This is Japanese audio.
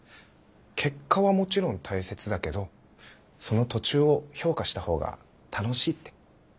結果はもちろん大切だけどその途中を評価したほうが楽しいって。